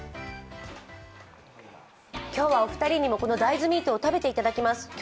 今日はお二人にもこの大豆ミートを食べていただきます。